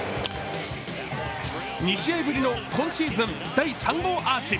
２試合ぶりの今シーズン第３号アーチ。